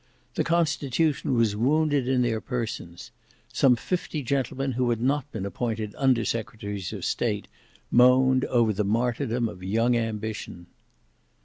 The constitution was wounded in their persons. Some fifty gentlemen who had not been appointed under secretaries of state, moaned over the martyrdom of young ambition.